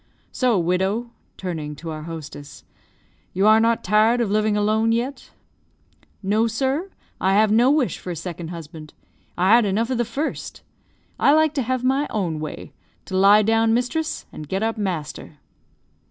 So, widow (turning to our hostess), you are not tired of living alone yet?" "No, sir; I have no wish for a second husband. I had enough of the first. I like to have my own way to lie down mistress, and get up master."